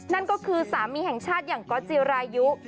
นั่นก็คือสามีแห่งชาติอย่างก๊อตจิรายุ